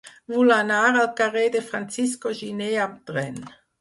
Vull anar al carrer de Francisco Giner amb tren.